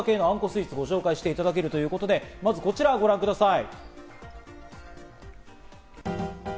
あんこスイーツをご紹介していただけるということで、まずはこちらをご覧ください。